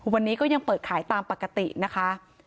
วันนี้ก็ยังเปิดขายตามปกตินะคะ